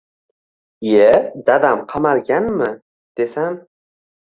Iye, dadam qamalganmi, desam.